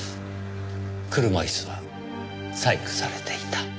車椅子は細工されていた。